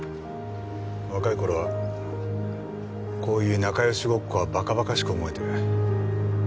若い頃はこういう仲良しごっこは馬鹿馬鹿しく思えて。